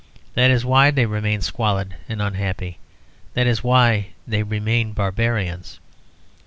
That is why they remain squalid and unhappy; that is why they remain barbarians.